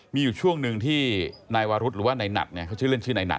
มีอยู่ช่วงหนึ่งที่นายวารุธหรือว่านายหัดเนี่ยเขาชื่อเล่นชื่อนายหั